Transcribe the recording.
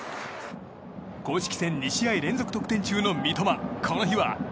公式戦２試合連続得点中の三笘この日は。